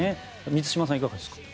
満島さんはいかがですか？